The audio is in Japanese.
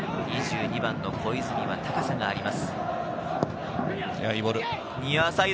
２２番・小泉は高さがあります。